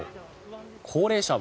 高齢者は。